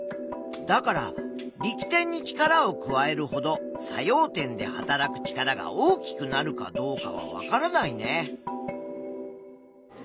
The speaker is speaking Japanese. だから力点に力を加えるほど作用点ではたらく力が大きくなるかどうかはわからないね。